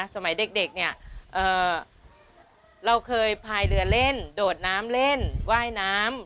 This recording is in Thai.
สมัยเด็กเนี่ยเราเคยพายเรือเล่นโดดน้ำเล่นว่ายน้ำ